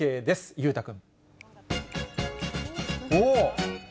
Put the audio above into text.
裕太君。